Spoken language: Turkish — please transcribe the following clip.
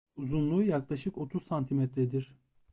Uzunluğu yaklaşık otuz santimetredir.